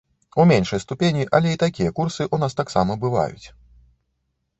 У меншай ступені, але і такія курсы ў нас таксама бываюць.